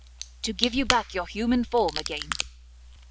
'To give you back your human form again.